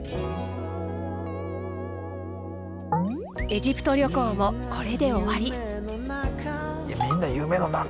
エジプト旅行もこれで終わり。